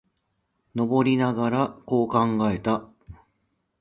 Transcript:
登りながら、こう考えた。